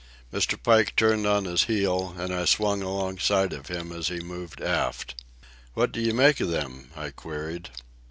Mr. Pike turned on his heel, and I swung alongside of him as he moved aft. "What do you make of them?" I queried.